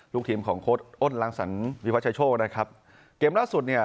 ลูกทีมของโค้ดอ้นลังสรรวิพัชโชคนะครับเกมล่าสุดเนี่ย